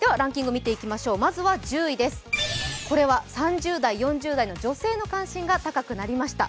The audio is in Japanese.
まずは１０位です、これは３０代、４０代の女性の関心が高くなりました。